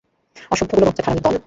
অসভ্যগুলো, বজ্জাত হারামির দল।